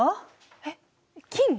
えっ金？